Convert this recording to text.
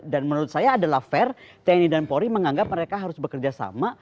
dan menurut saya adalah fair tni dan polri menganggap mereka harus bekerja sama